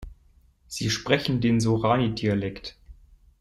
Sie sprechen den Sorani-Dialekt.